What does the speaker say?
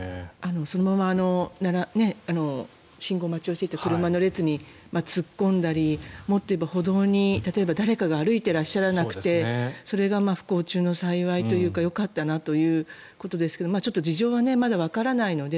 そのまま信号待ちをしていた車の列に突っ込んだりもっといえば歩道に例えば誰かが歩いていらっしゃらなくてそれが不幸中の幸いというかよかったということですがちょっと事情はまだわからないので。